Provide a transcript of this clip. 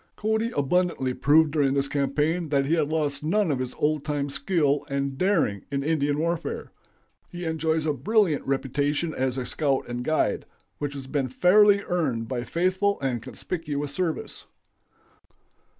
Cody abundantly proved during this campaign that he had lost none of his old time skill and daring in Indian warfare. He enjoys a brilliant reputation as a scout and guide, which has been fairly earned by faithful and conspicuous service.